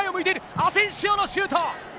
アセンシオのシュート。